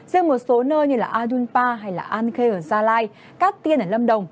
riêng một số nơi như adunpa hay an khê ở gia lai các tiên ở lâm đồng